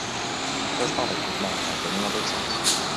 Their father did not have any other sons.